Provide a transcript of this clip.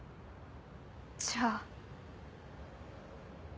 じゃあ。